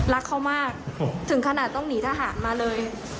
รักเขามากถึงขนาดต้องหนีทหารมาเลย